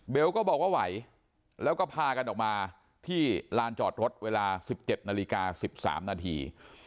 ก็บอกว่าไหวแล้วก็พากันออกมาที่ลานจอดรถเวลา๑๗นาฬิกา๑๓นาที